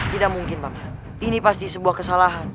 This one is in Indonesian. tidak mungkin bang ini pasti sebuah kesalahan